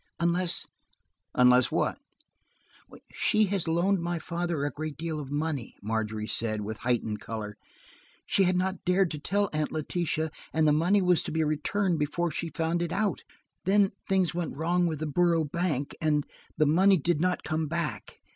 Unless–" "Unless what?" "She had loaned my father a great deal of money," Margery said, with heightened color. "She had not dared to tell Aunt Letitia, and the money was to be returned before she found it out. Then–things went wrong with the Borough Bank, and–the money did not come back.